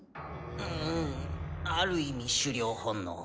うーんある意味狩猟本能。